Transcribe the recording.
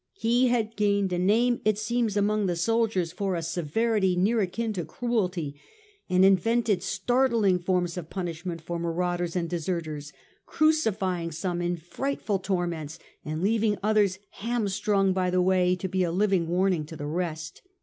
He had gained a name, it seems, among the soldiers for a severity near akin to cruelty, had invented startling forms of punishment for marauders and deserters, crucifying some in frightful torments, and leaving others hamstrung by the way to be a living warning to the rest.